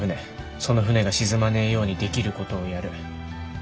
その船が沈まねえようにできることをやる。